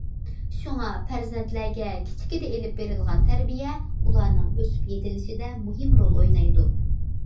شۇڭا پەرزەنتلەرگە كىچىكىدە ئېلىپ بېرىلغان تەربىيە ئۇلارنىڭ ئۆسۈپ يېتىلىشىدە مۇھىم رول ئوينايدۇ.